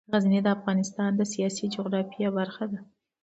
غزني د افغانستان د سیاسي جغرافیه برخه ده.